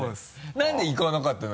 何でいかなかったの？